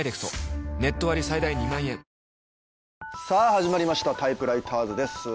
さあ始まりました『タイプライターズ』です。